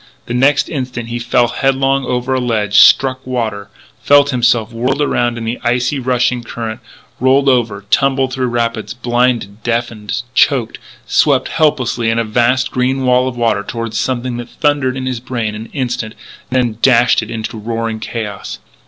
The next instant he fell headlong over a ledge, struck water, felt himself whirled around in the icy, rushing current, rolled over, tumbled through rapids, blinded, deafened, choked, swept helplessly in a vast green wall of water toward something that thundered in his brain an instant, then dashed it into roaring chaos.